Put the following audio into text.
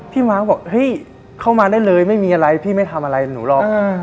ม้าก็บอกเฮ้ยเข้ามาได้เลยไม่มีอะไรพี่ไม่ทำอะไรหนูหรอก